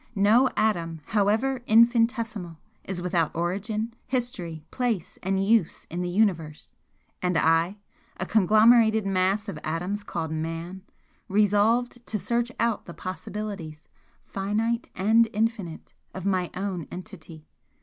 No atom, however infinitesimal, is without origin, history, place and use in the Universe and I, a conglomerated mass of atoms called Man, resolved to search out the possibilities, finite and infinite, of my own entity.